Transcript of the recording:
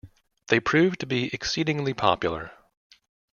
They proved to be exceedingly popular.